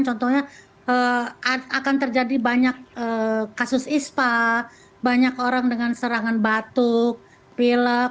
contohnya akan terjadi banyak kasus ispa banyak orang dengan serangan batuk pilek